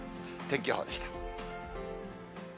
天気予報でした。